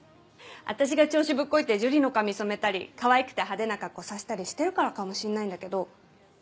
私が調子ぶっこいて樹里の髪染めたりかわいくて派手な格好させたりしてるからかもしんないんだけど。